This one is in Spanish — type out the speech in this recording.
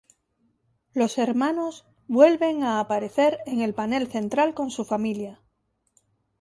Los hermanos vuelven a aparecer en el panel central con su familia.